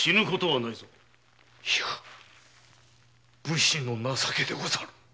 いや武士の情けでござる！